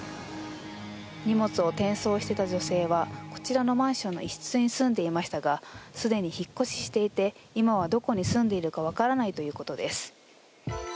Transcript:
荷物を転送していた女性はこちらのマンションの一室に住んでいましたがすでに引っ越ししていて今はどこに住んでいるのか分からないということです。